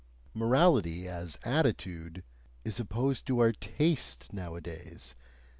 Morality as attitude is opposed to our taste nowadays.